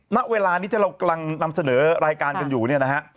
ณเวลานี้ที่เรากำลังนำเสนอรายการกันอยู่เนี่ยนะฮะ